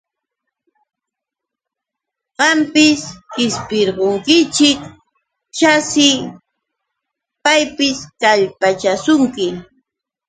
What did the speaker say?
Qampis qishpirqunkish, chashi paypis kallpanchakuyan.